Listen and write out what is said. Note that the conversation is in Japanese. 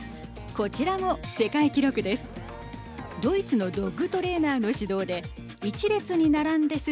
こちらも世界記録です。